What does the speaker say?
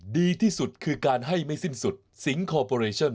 ดีที่สุดคือการให้ไม่สิ้นสุดสิงคอร์ปอเรชั่น